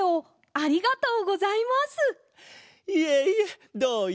ありがとう！